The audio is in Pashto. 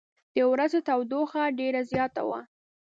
د ورځې تودوخه ډېره زیاته وه.